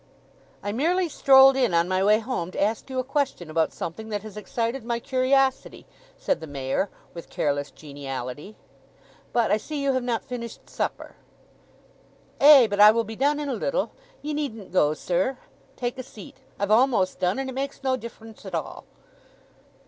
"I merely strolled in on my way home to ask you a question about something that has excited my curiosity," said the Mayor, with careless geniality. "But I see you have not finished supper." "Ay, but I will be done in a little! Ye needn't go, sir. Take a seat. I've almost done, and it makes no difference at all."